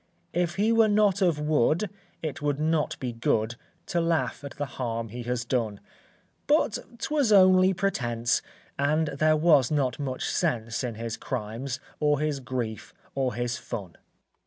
If he were not of wood It would not be good To laugh at the harm he has done; But 'twas only pretence, And there was not much sense In his crimes, or his grief, or his fun.